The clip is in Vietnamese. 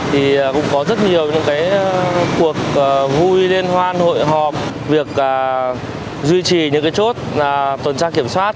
thì cũng có rất nhiều cuộc vui liên hoan hội họp việc duy trì những chốt tuần tra kiểm soát